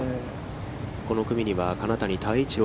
この組には金谷多一郎